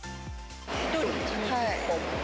１人１日１本。